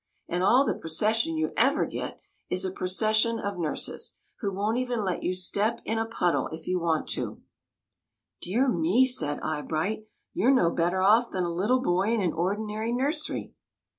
And all the procession you ever get is a procession of nurses, who won't even let you step in a puddle if you want to !"'' Dear me," said Eyebright, " you 're no better off than a little boy in an ordinary nursery